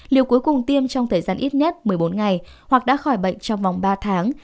liều cuối cùng tiêm trong thời gian ít nhất một mươi bốn ngày hoặc đã khỏi bệnh trong vòng ba tháng